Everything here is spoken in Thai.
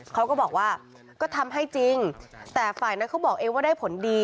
เขาก็บอกว่าก็ทำให้จริงแต่ฝ่ายนั้นเขาบอกเองว่าได้ผลดี